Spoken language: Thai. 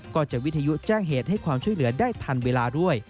ก็จะวิทยุแจ้งเหตุให้ความช่วยเหลือได้ทันเวลาด้วย